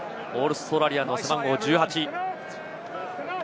オーストラリアの背番号１８。